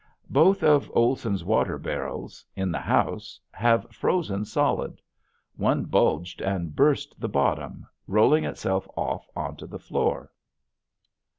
Both of Olson's water barrels in the house have frozen solid. One bulged and burst the bottom rolling itself off onto the floor.